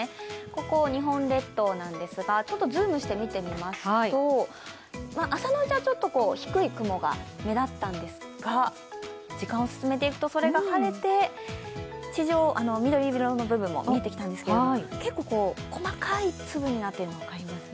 ここが日本列島なんですが、ズームして見てみますと、朝のうちは低い雲が目立ったんですが、時間を進めていくと、それが晴れて、地上、緑色の部分も見えてきたんですけど結構細かい粒になっているのが分かります。